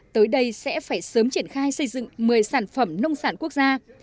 tới đây sẽ phải sớm triển khai xây dựng một mươi sản phẩm nông sản quốc gia